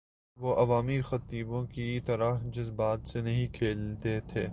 وہ عوامی خطیبوں کی طرح جذبات سے نہیں کھیلتے تھے۔